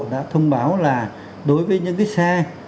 đã thông báo là đối với những cái xe